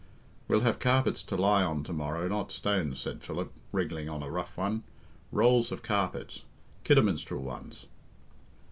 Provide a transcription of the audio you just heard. "We'll have carpets to lie on to morrow, not stones," said Philip, wriggling on a rough one; "rolls of carpets kidaminstrel ones."